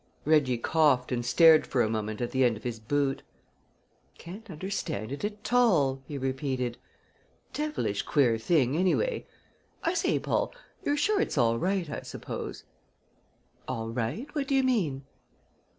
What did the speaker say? Reggie coughed and stared for a moment at the end of his boot. "Can't understand it at all!" he repeated. "Devilish queer thing, anyway! I say, Paul, you're sure it's all right, I suppose?" "All right? What do you mean?"